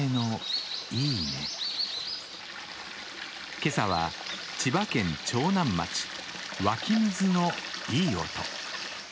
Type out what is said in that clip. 今朝は千葉県長南町湧き水のいい音。